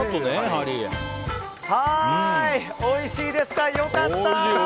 おいしいですか、良かった！